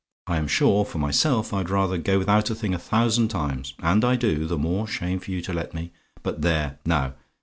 I am sure for myself, I'd rather go without a thing a thousand times, and I do the more shame of you to let me, but there, now!